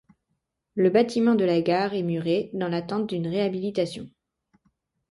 Le bâtiment de la gare est muré, dans l'attente d'une réhabilitation.